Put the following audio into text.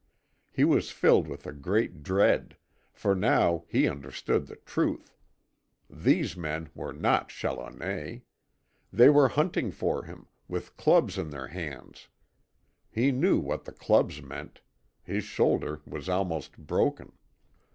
He was filled with a great dread, for now he understood the truth. THESE men were not Challoner. They were hunting for him with clubs in their hands. He knew what the clubs meant. His shoulder was almost broken.